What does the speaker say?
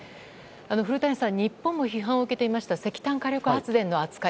古谷さん、日本も批判を受けていました石炭火力発電の扱い